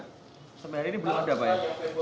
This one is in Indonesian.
sebenarnya ini belum ada pak ya